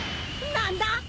何だ！？